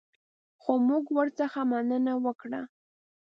خو موږ ورڅخه مننه وکړه.